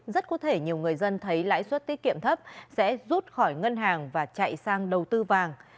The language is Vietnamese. rất có thể nhiều người dân thấy lãi suất tiết kiệm thấp sẽ rút khỏi ngân hàng và chạy sang đầu tư vàng